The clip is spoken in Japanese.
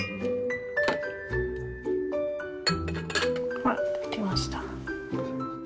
ほら出来ました。